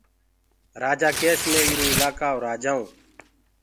رآجآ ڪيس مي ايرو الآڪآئو رآجآئو